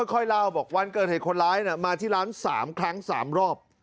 เล่าบอกวันเกิดเหตุคนร้ายมาที่ร้าน๓ครั้ง๓รอบ